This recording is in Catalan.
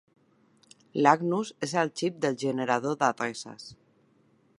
L"Agnus és el xip del generador d"adreces.